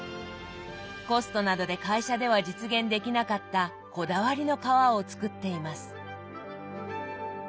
コストなどで会社では実現できなかったこだわりの皮を作っています。